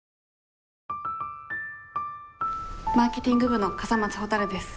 マーケティング部の笠松ほたるです。